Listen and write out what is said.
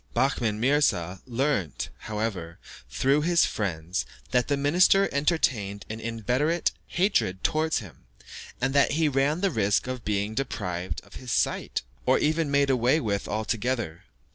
Behmen Mirza learnt, however, through his friends, that the minister entertained an inveterate hatred towards him, and that he ran the risk of being deprived of his sight, or even made away with altogether.